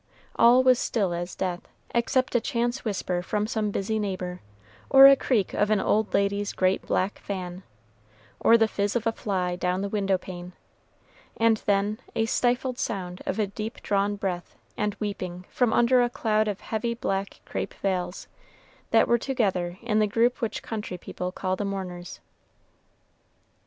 All was still as death, except a chance whisper from some busy neighbor, or a creak of an old lady's great black fan, or the fizz of a fly down the window pane, and then a stifled sound of deep drawn breath and weeping from under a cloud of heavy black crape veils, that were together in the group which country people call the mourners.